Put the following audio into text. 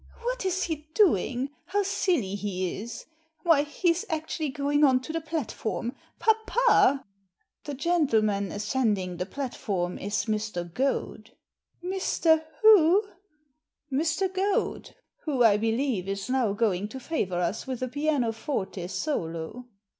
"What is he doing? How silly he is! Why, he's actually going on to the platform! Papa!" "The gentleman ascending the platform is Mr. Goad." "Mr.— who?" " Mr. Goad, who, I believe, is now going to favour us with a pianoforte solo."